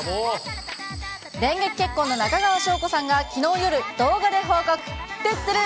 電撃結婚の中川翔子さんがきのう夜、動画で報告。